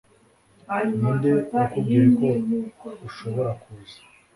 Ninde wakubwiye ko ushobora kuza